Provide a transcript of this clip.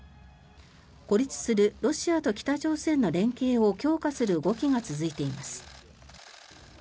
孤立するロシアと北朝鮮の連携を強化する動きが続いています。